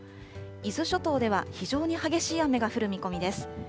伊豆諸島では非常に激しい雨が降る見込みです。